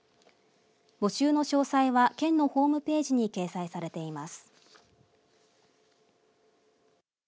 募集の詳細は県のホームページに掲載されています。